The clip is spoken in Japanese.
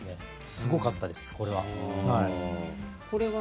すごかったです、これは。